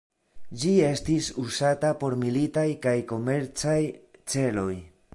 Ĝi estis uzata por militaj kaj komercaj celoj.